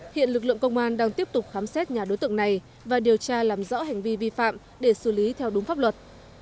hiện lực lượng công an đang tiếp tục khám xét nhà đối tượng này và điều tra làm rõ hành vi vi phạm để xử lý theo đúng pháp luật